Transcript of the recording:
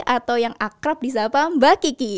atau yang akrab di sapa mbak kiki